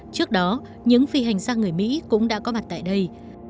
trước đó những phi hành sang người mỹ cũng đã có mặt tại đây